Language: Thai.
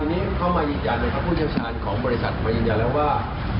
คราวนี้เขามายินยานะครับผู้เจ้าชาญของบริษัทมายินยาแล้วว่า